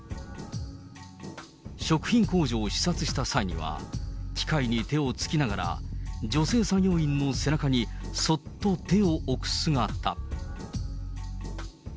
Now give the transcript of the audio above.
食品工場を視察した際には、機械に手を突きながら女性作業員の背中に、そっと手を置く姿。